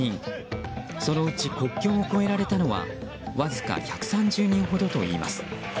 そのうち国境を越えられたのはわずか１３０人ほどといいます。